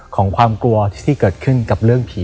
ความกลัวที่เกิดขึ้นกับเรื่องผี